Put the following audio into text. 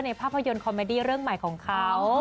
ภาพยนตร์คอมเมดี้เรื่องใหม่ของเขา